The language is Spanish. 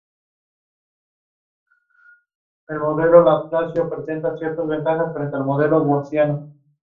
La canción es un disco de canciones inspiradas para madurar.